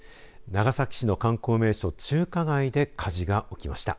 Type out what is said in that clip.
長崎市の観光名所中華街で火事が起きました。